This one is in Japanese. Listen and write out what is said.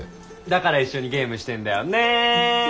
だから一緒にゲームしてんだよね。ね。